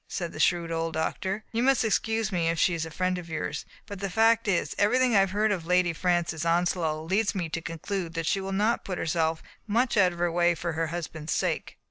said the shrewd old doctor. "You must excuse me if she is a friend of yours, but the fact is, everything I have heard of Lady Francis Ons low leads me to conclude that she will not put herself much out of her way for her husband's sake."